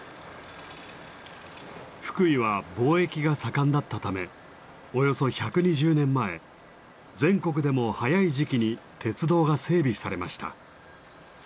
福井は貿易が盛んだったためおよそ１２０年前全国でも早い時期に鉄道が整備されました。